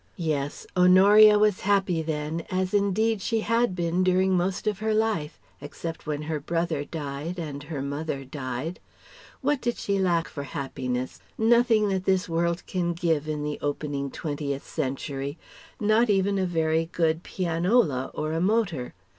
Yes: Honoria was happy then, as indeed she had been during most of her life, except when her brother died and her mother died. What did she lack for happiness? Nothing that this world can give in the opening twentieth century ... not even a very good pianola or a motor.